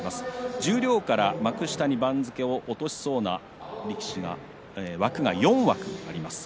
十両から幕下に番付を落としそうな力士枠が４枠あります。